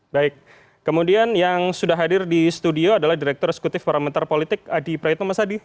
baik kemudian yang sudah hadir di studio adalah direktur eksekutif parameter politik adi praetno mas adi